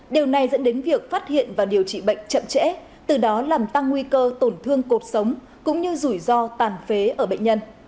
điều này dẫn đến việc phát hiện và điều trị bệnh chậm trễ từ đó làm tăng nguy cơ tổn thương cột sống cũng như rủi ro tàn phế ở bệnh nhân